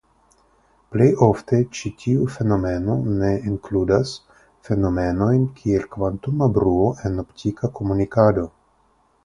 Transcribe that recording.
Plej ofte ĉi tiu fenomeno ne inkludas fenomenojn kiel kvantuma bruo en optika komunikado.